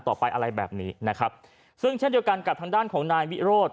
ต่อไปอะไรแบบนี้นะครับซึ่งเช่นเดียวกันกับทางด้านของนายวิโรธ